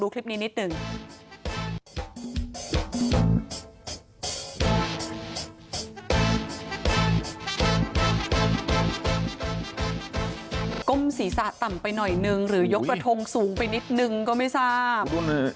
ศีรษะต่ำไปหน่อยนึงหรือยกกระทงสูงไปนิดนึงก็ไม่ทราบ